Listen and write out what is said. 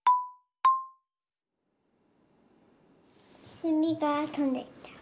せみがとんでった。